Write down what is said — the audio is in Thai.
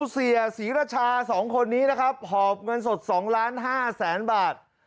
เสียศรีรชา๒คนนี้นะครับหอบเงินสด๒ล้าน๕แสนบาท